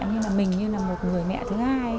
như là mình như là một người mẹ thứ hai